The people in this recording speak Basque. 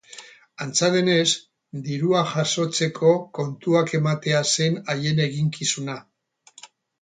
Antza denez, dirua jasotzeko kontuak ematea zen haien eginkizuna.